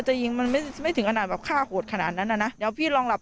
จะยิงมันไม่ถึงขนาดแบบฆ่าโหดขนาดนั้นน่ะนะเดี๋ยวพี่ลองหลับ